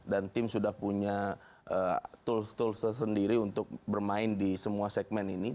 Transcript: dan tim sudah punya tools tools tersendiri untuk bermain di semua segmen ini